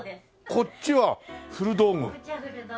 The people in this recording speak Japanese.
こっちは古道具です。